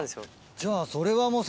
じゃあそれはもう。